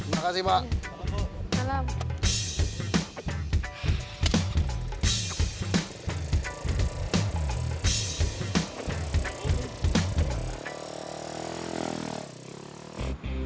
makasih pak selamat